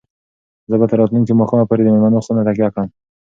زه به تر راتلونکي ماښامه پورې د مېلمنو خونه تکیه کړم.